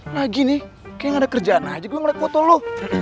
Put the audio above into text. lagi nih kayak gak ada kerjaan aja gue nge like foto lu